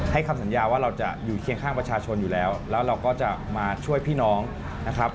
คำสัญญาว่าเราจะอยู่เคียงข้างประชาชนอยู่แล้วแล้วเราก็จะมาช่วยพี่น้องนะครับ